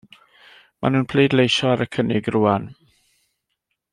Maen nhw'n pleidleisio ar y cynnig rŵan.